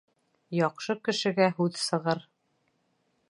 Яҡшы кешегә һүҙ сығыр.